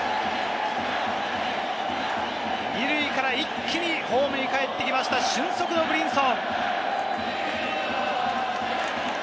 ２塁から一気にホームにかえってきました、俊足のブリンソン！